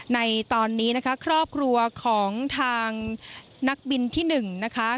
ในตอนนี้นะคะครอบครัวของทางนักบินที่๑นะคะ